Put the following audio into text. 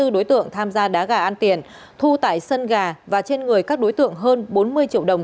hai mươi đối tượng tham gia đá gà ăn tiền thu tại sân gà và trên người các đối tượng hơn bốn mươi triệu đồng